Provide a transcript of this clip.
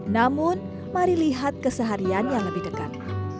namun mari lihat keseharian yang lebih dekat